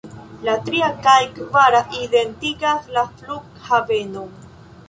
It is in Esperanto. La tria kaj kvara identigas la flughavenon.